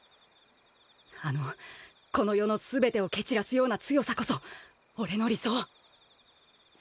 あのこの世の全てを蹴散らすような強さこそ俺の理想。